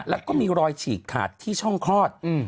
แล้วก็มีรอยฉีกขาดที่ช่องคลอด